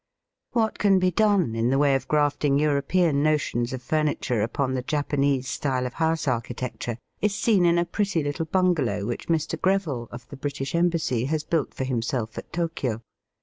What can be done in the way of graft ing European notions of furniture upon the Japanese style of house architecture, is seen in a pretty little bungalow which Mr. GreviUe, of the British Embassy, has built for himself at Tokio.